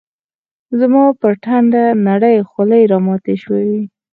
زما پر ټنډه نرۍ خولې راماتي شوې